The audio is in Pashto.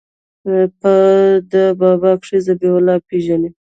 په ده بابا کښې ذبيح الله پېژنې.